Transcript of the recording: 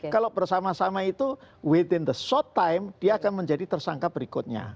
kalau bersama sama itu with in the short time dia akan menjadi tersangka berikutnya